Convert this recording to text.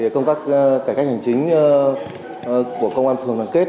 công tác cải cách hành chính của công an phường đoàn kết